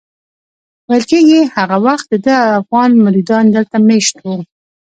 ویل کېږي هغه وخت دده افغان مریدان دلته مېشت وو.